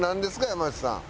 山内さん。